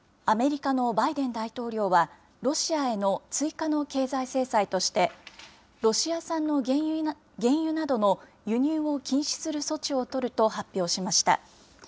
アメリカのバイデン大統領は、ロシアへの追加の経済制裁として、ロシア産の原油などの輸入を禁止する措置を取ると発表しました。